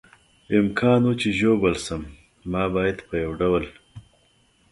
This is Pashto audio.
امکان و، چې ژوبل شم، ما باید په یو ډول.